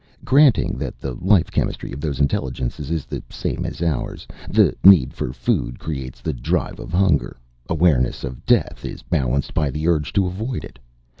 "Granting that the life chemistry of those intelligences is the same as ours the need for food creates the drive of hunger. Awareness of death is balanced by the urge to avoid it.